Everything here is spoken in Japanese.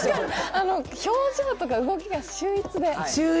表情とか動きが秀逸で。